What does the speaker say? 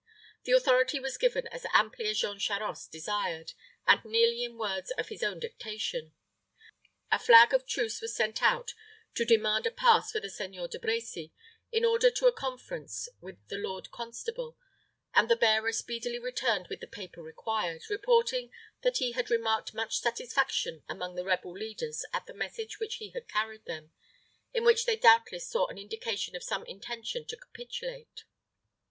The authority was given as amply as Jean Charost desired, and nearly in words of his own dictation: a flag of truce was sent out to demand a pass for the Seigneur De Brecy, in order to a conference with the lord constable, and the bearer speedily returned with the paper required, reporting that he had remarked much satisfaction among the rebel leaders at the message which he had carried them, in which they doubtless saw an indication of some intention to capitulate.